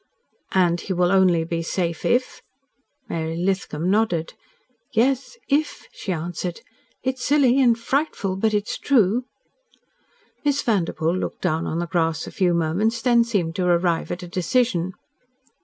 "And he will only be safe if?" Mary Lithcom nodded. "Yes IF," she answered. "It's silly and frightful but it is true." Miss Vanderpoel looked down on the grass a few moments, and then seemed to arrive at a decision.